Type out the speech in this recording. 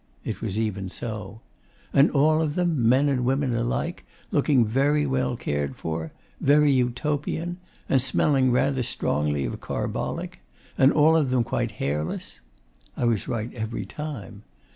It was even so. 'And all of them men and women alike looking very well cared for? very Utopian? and smelling rather strongly of carbolic? and all of them quite hairless?' I was right every time.